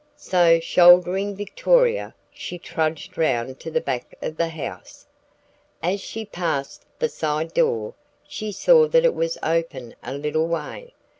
So shouldering Victoria, she trudged round to the back of the house. As she passed the side door she saw that it was open a little way.